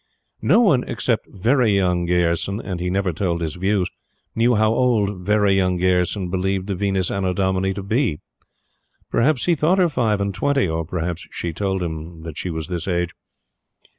No one except "Very Young" Gayerson, and he never told his views, knew how old "Very Young" Gayerson believed the Venus Annodomini to be. Perhaps he thought her five and twenty, or perhaps she told him that she was this age.